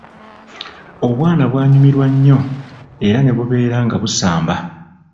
Obwana bwanyumirwa nnyo era ne bubeera nga busamba.